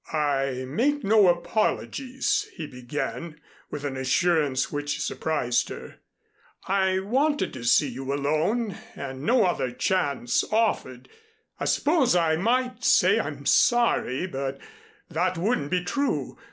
"I make no apologies," he began with an assurance which surprised her. "I wanted to see you alone and no other chance offered. I suppose I might say I'm sorry, but that wouldn't be true.